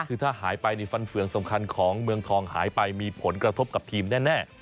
คือถ้าหายไปฟันเฟืองสำคัญของเมืองทองหายไปมีผลกระทบกับทีมแน่